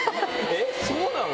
えっそうなの？